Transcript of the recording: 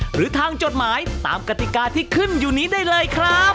หรือทางจดหมายตามกติกาที่ขึ้นอยู่นี้ได้เลยครับ